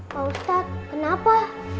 pak ustadz kenapa